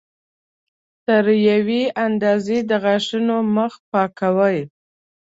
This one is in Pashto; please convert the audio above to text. تر یوې اندازې د غاښونو مخ پاکوي.